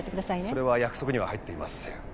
それは約束には入っていません。